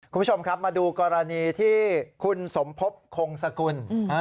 คุณผู้ชมครับมาดูกรณีที่คุณสมภพคงสกุล